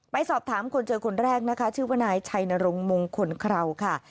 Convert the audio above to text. ไปสอบถามคนเจอคนแรกนะคะชื่อว่านายชัยนรงมงคลเคราวค่ะ